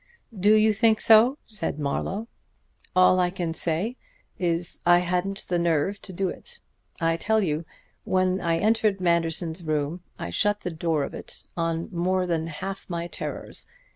"Do you think so?" said Marlowe. "All I can say is I hadn't the nerve to do it. I tell you, when I entered Manderson's room I shut the door of it on more than half my terrors.